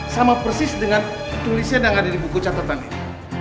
sama persis dengan tulisan yang ada di buku catatan ini